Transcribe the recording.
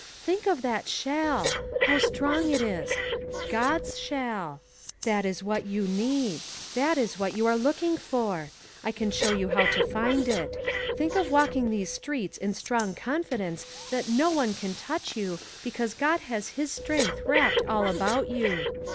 Think of that 'shall'; how strong it is! God's * shall'! That is what you need. That is what you are looking for. I can show you how , to find it. Think of walking these streets in strong confidence that no one can touch you, because God has his strength wrapped all about you.